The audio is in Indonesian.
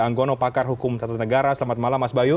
anggono pakar hukum tata negara selamat malam mas bayu